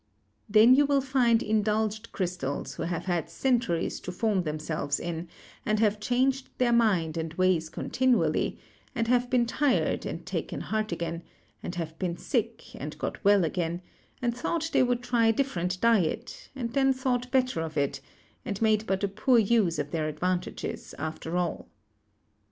Then you will find indulged crystals, who have had centuries to form themselves in, and have changed their mind and ways continually ; and have been tired, and taken heart again; and have been sick, and got well again; and thought they would try a different diet, and then thought better of it ; and made but a poor use of their advantages, after all.